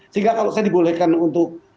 sehingga kalau saya dibolehkan untuk